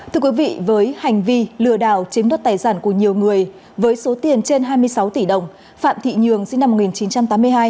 thưa quý vị với hành vi lừa đảo chiếm đất tài sản của nhiều người với số tiền trên hai mươi sáu tỷ đồng phạm thị nhường sinh năm một nghìn chín trăm tám mươi hai